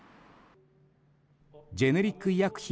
ジェネリック医薬品